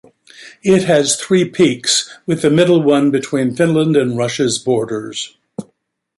It has three peaks, with the middle one between Finland and Russia's borders.